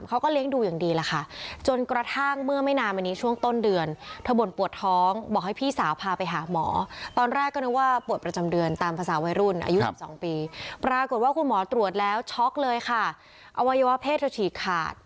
ก็เลี้ยงดูอย่างดีล่ะค่ะ